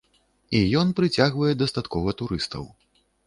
І ён прыцягвае дастаткова турыстаў.